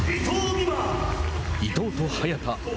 伊藤と早田。